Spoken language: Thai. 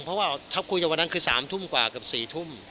เพราะว่าถ้าคุยวันนั้นคือสามทุ่มกว่ากับสี่ทุ่ม